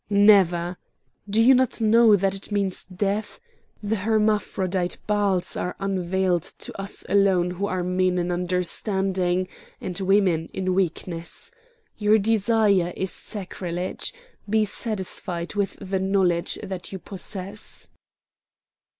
"Never! Do you not know that it means death? The hermaphrodite Baals are unveiled to us alone who are men in understanding and women in weakness. Your desire is sacrilege; be satisfied with the knowledge that you possess!"